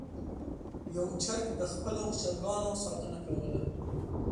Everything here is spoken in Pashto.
یو چرګ د خپلو چرګانو ساتنه کوله.